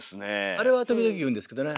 あれは時々言うんですけどね